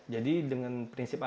jadi dengan prinsipnya ya